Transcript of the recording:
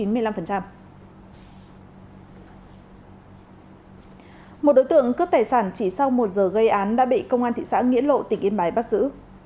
một đối tượng cướp tài sản chỉ sau một giờ gây án đã bị công an thị xã nghĩa lộ tỉnh yên bái bắt giữ